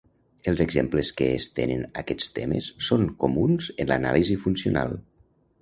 Els exemples que estenen aquests temes són comuns en l'anàlisi funcional.